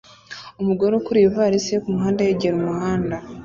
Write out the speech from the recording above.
Umugore ukurura ivalisi ye kumuhanda yegera umuhanda